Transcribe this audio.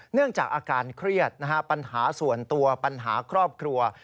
เนื่องจากอาการเครียดนะฮะปัญหาส่วนตัวปัญหาครอบครัว